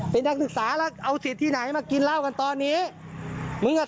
เป็นนักศึกษาแล้วเอาสิทธิ์ที่ไหนมากินเหล้ากันตอนนี้มึงอ่ะ